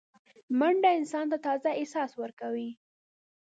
منډه انسان ته تازه احساس ورکوي